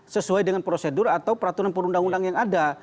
sesuai dengan prosedur atau peraturan perundang undang yang ada